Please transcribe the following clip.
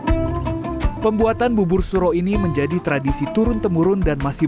diadukkan untuk warga setempat pembuatan bubur suro ini menjadi tradisi turun temurun dan masih